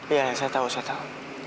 iya saya tau saya tau